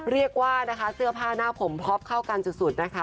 เรียกว่านะคะเสื้อผ้าหน้าผมพ็อปเข้ากันสุดนะคะ